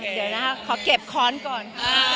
เดี๋ยวนะคะขอเก็บค้อนก่อน